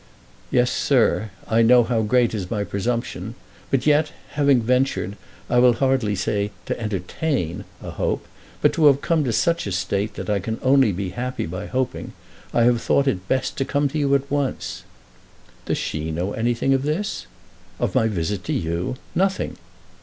"Yes, sir. I know how great is my presumption. But, yet, having ventured, I will hardly say to entertain a hope, but to have come to such a state that I can only be happy by hoping, I have thought it best to come to you at once." "Does she know anything of this?" "Of my visit to you? Nothing."